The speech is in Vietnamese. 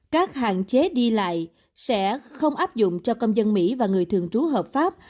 các hạn chế đi lại sẽ không áp dụng cho công dân mỹ và người thường trú hợp pháp